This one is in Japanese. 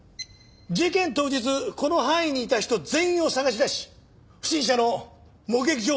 事件当日この範囲にいた人全員を捜し出し不審者の目撃情報を洗い出す。